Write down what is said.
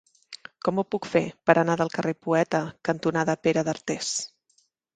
Com ho puc fer per anar al carrer Poeta cantonada Pere d'Artés?